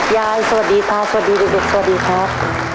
ยายสวัสดีค่ะสวัสดีครับ